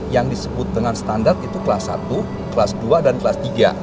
yang disebut dengan standar itu kelas satu kelas dua dan kelas tiga